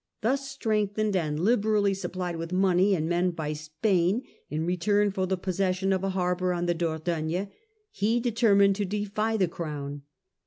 Thus strengthened, and liberally supplied with money and men by Spain in return for the possession of a harbour on the Dordogne, he determined to defy the Crown.